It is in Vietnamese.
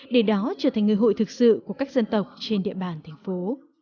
để đó trở thành người hội thực sự của các dân tộc trên địa bàn thành phố